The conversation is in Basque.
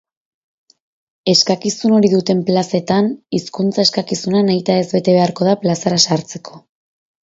Eskakizun hori duten plazetan, hizkuntza-eskakizuna nahitaez bete beharko da plazara sartzeko.